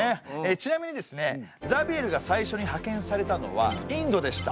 ちなみにですねザビエルが最初に派遣されたのはインドでした。